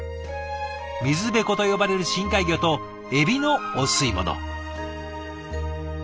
ミズベコと呼ばれる深海魚とエビのお吸い物。